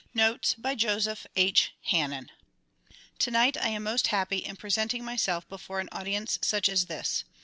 Notes by Joseph H. Hannen TONIGHT I am most happy in presenting myself before an audience such as this.